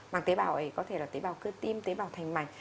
mang tế bào ấy có thể là tế bào cơ tim tế bào thành mạch